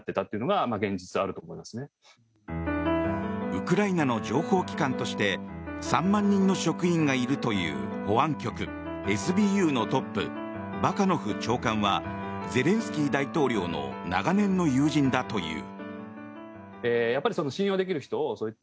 ウクライナの情報機関として３万人の職員がいるという保安局ＳＢＵのトップバカノフ長官はゼレンスキー大統領の長年の友人だという。